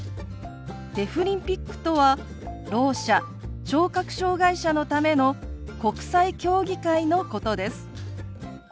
デフリンピックとはろう者聴覚障害者のための国際競技会のことです。